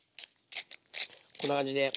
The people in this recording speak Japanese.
こんな感じで。